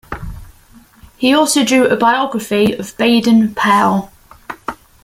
He also drew a biography of Baden-Powell.